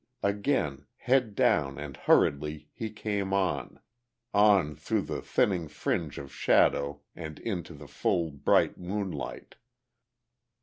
Again, head down and hurriedly, he came on. On through the thinning fringe of shadow and into the full bright moonlight.